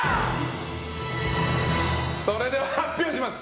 それでは発表します。